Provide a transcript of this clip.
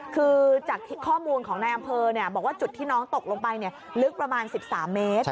คือจากข้อมูลของนายอำเภอบอกว่าจุดที่น้องตกลงไปลึกประมาณ๑๓เมตร